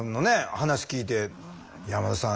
話聞いて山田さん